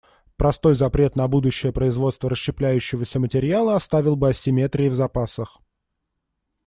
Простой запрет на будущее производство расщепляющегося материала оставил бы асимметрии в запасах.